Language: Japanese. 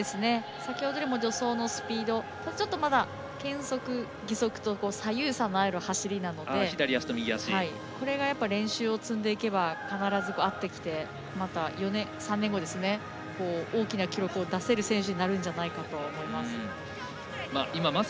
先ほどよりも助走のスピードちょっとまだ左右差のある走りなので練習を積んでいけば合ってきて３年後大きな記録を出せる選手になるんじゃないかと思います。